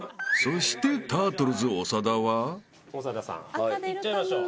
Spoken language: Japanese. ［そして］いっちゃいましょう。